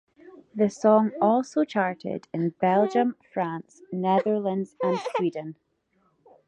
The song also charted in Belgium, France, Netherlands and Sweden.